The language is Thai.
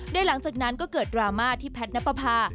โดยหลังจากนั้นก็เกิดดราม่าที่แพทย์นับประพา